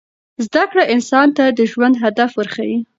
زده کړه انسان ته د ژوند هدف ورښيي.